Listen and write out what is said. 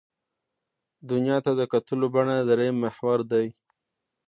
دنیا ته د کتلو بڼه درېیم محور دی.